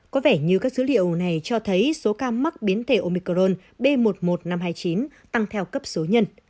có vẻ như các dữ liệu này cho thấy số ca mắc biến thể omicron b một mươi một nghìn năm trăm hai mươi chín tăng theo cấp số nhân